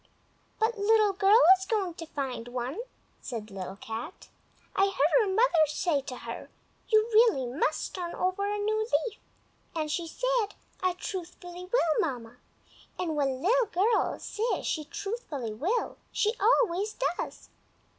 "But Little Girl is going to find one," said Little Cat. "I heard her mother say to her, 'You really must turn over a new leaf!' and she said, 'I truthfully will, Mamma!' and when Little Girl says she truthfully will she always does.